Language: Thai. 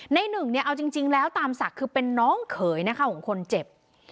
หนึ่งเนี่ยเอาจริงแล้วตามศักดิ์คือเป็นน้องเขยนะคะของคนเจ็บ